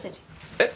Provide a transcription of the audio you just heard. えっ？